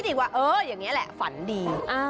อีกว่าเอออย่างนี้แหละฝันดี